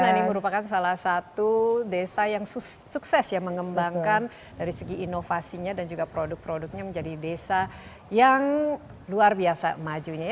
karena ini merupakan salah satu desa yang sukses ya mengembangkan dari segi inovasinya dan juga produk produknya menjadi desa yang luar biasa majunya